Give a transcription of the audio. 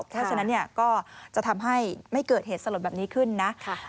เพราะฉะนั้นก็จะทำให้ไม่เกิดเหตุสลดแบบนี้ขึ้นนะ